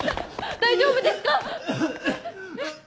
大丈夫ですか！？